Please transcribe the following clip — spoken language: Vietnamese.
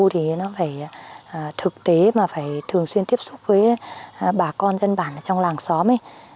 thì nó phải thực tế mà phải thường xuyên tiếp xúc với bà con dân bản trong làng xóm